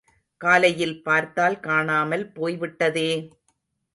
காலையில் பார்த்தால் காணாமல் போய் விட்டதே!